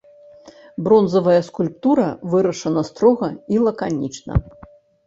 Бронзавая скульптура вырашана строга і лаканічна.